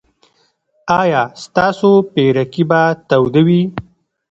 ایا ستاسو پیرکي به تاوده وي؟